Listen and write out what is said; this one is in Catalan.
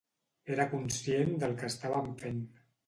Era conscient del que estàvem fent.